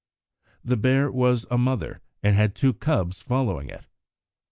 The bear was a mother, and had two cubs following it.